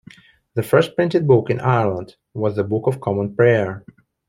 The first printed book in Ireland was the Book of Common Prayer.